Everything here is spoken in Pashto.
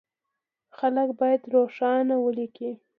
خلک بايد روښانه وليکي.